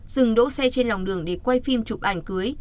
dừng đỗ xe trên lòng đường để quay phim chụp ảnh cưới